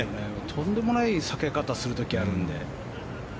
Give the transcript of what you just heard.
とんでもない避け方する時があるので。